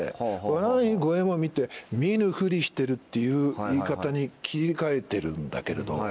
笑い声も見て見ぬフリしてるっていう言い方に切り替えてるんだけれど。